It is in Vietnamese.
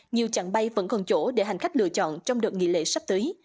nhiều chặng bay vẫn còn chỗ để hành khách lựa chọn trong đợt nghỉ lễ sắp tới